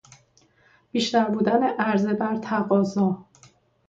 بیشتر بودن عرضه بر تقاضا